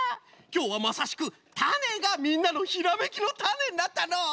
きょうはまさしくたねがみんなのひらめきのタネになったのう！